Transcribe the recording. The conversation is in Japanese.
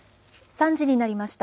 ３時になりました。